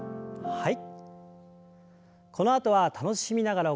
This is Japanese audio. はい。